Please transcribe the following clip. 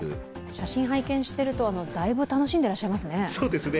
写真拝見しているとだいぶ楽しんでいらっしゃいますね。